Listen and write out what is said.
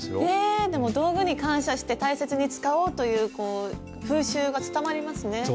えでも道具に感謝して大切に使おうという風習が伝わりますね。